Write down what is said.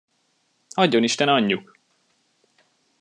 Adjon isten, anyjuk!